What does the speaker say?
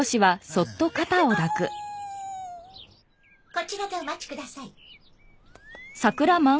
こちらでお待ちください。